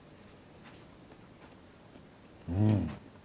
うん。